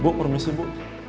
bu permisi bu